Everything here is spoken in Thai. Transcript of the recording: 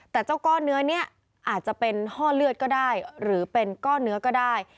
แต่เจ้าก้อนเนื้อนี้อาจจะเป็นห้อเลือดก็ได้หรือเป็นก้อนเนื้อก็ได้